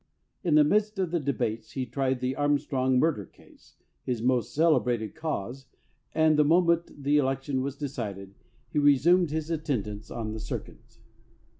In the midst of the debates he tried the Arm strong murder case, his most celebrated cause, and the moment the election was decided he resumed his attendance on the circuit.